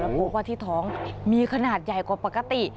พบว่าที่ท้องมีขนาดใหญ่กว่าปกติ